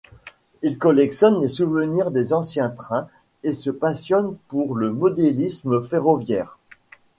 Il collectionne les souvenirs des anciens trains et se passionne pour le modélisme ferroviaire.